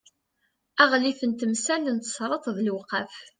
aɣlif n temsal n tesreḍt d lewqaf